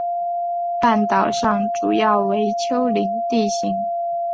半岛上主要为丘陵地形。